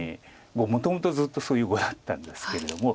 もともとずっとそういう碁だったんですけれども。